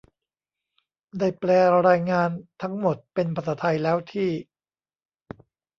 ได้แปลรายงานทั้งหมดเป็นภาษาไทยแล้ว ที่